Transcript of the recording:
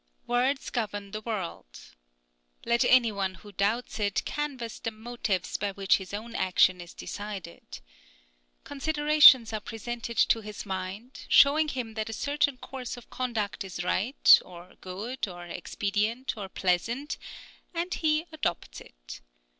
Words govern the world. Let any one who doubts it, canvass the motives by which his own action is decided. Considerations are presented to his mind, showing him that a certain course of conduct is right, or good, or expedient, or pleasant, and he adopts it.